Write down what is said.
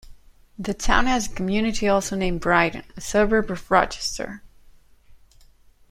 The town has a community, also named Brighton, a suburb of Rochester.